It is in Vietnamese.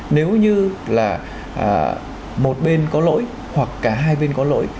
nếu như là một bên có lỗi hoặc cả hai bên có lỗi